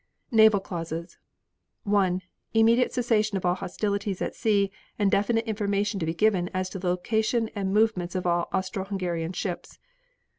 Naval Clauses 1. Immediate cessation of all hostilities at sea and definite information to be given as to the location and movements of all Austro Hungarian ships.